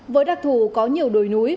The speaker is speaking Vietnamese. với đặc thủ có nhiều đồi núi